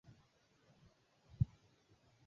Simulizi ya Wazazi Wanaolea Watoto wa Rangi Tofauti